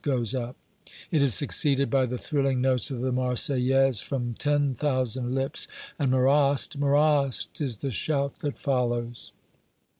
goes up it is succeeded by the thrilling notes of the Marseillaise from ten thousands lips, and "Marrast! Marrast!" is the shout that follows.